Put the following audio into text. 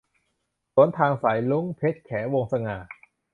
สวนทางสายรุ้ง - เพ็ญแข วงศ์สง่า